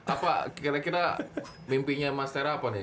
apa kira kira mimpinya mas tera apa nih